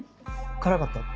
辛かった？